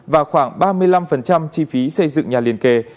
và khoảng ba mươi năm chi phí xây dựng nhà liên kề